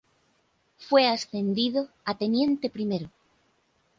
Fue ascendido a teniente primero.